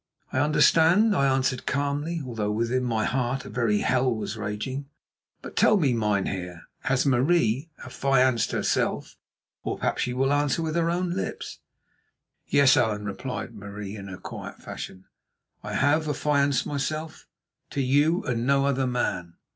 "I understand," I answered calmly, although within my heart a very hell was raging. "But tell me, mynheer, has Marie affianced herself—or perhaps she will answer with her own lips?" "Yes, Allan," replied Marie in her quiet fashion, "I have affianced myself—to you and no other man."